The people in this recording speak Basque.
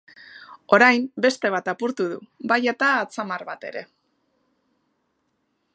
Orain, beste bat apurtu du, bai eta atzamar bat ere.